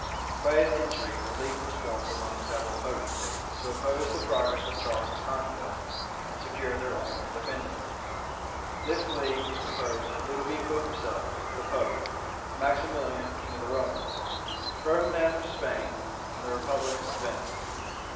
By his intrigues, a league was formed among several potentates, to oppose the progress of Charles's conquests, and secure their own independency. This league was composed of Ludovico himself, the pope, Maximilian, king of the Romans, Ferdinand of Spain, and the republic of Venice.